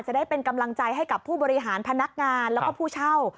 ได้เป็นกำลังใจให้กับผู้บริหารพนักงานแล้วก็ผู้เช่า